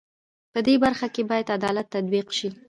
په دې برخه کې بايد عدالت تطبيق شي.